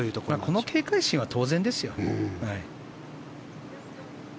この警戒心は当然ですよ。